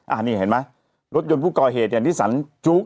อ่านี่เห็นมั้ยรถยนต์พุกก่อเหตุอย่างมิสสันจุ๊ก